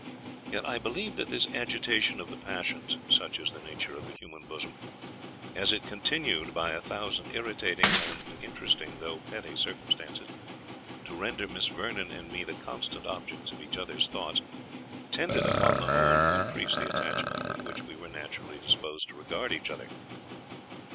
Yet I believe that this agitation of the passions (such is the nature of the human bosom), as it continued by a thousand irritating and interesting, though petty circumstances, to render Miss Vernon and me the constant objects of each other's thoughts, tended, upon the whole, to increase the attachment with which we were naturally disposed to regard each other.